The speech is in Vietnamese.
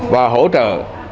và hỗ trợ